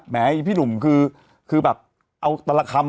แต่อาจจะส่งมาแต่อาจจะส่งมา